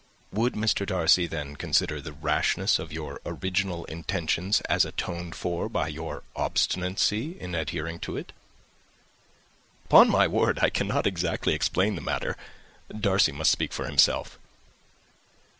"Would Mr. Darcy then consider the rashness of your original intention as atoned for by your obstinacy in adhering to it?" "Upon my word, I cannot exactly explain the matter Darcy must speak for himself."